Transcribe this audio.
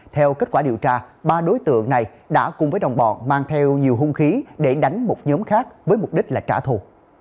theo kết quả điều tra ba đối tượng này đã cùng với đồng bọn mang theo nhiều hung khí để đánh một nhóm khác với mục đích là trả thù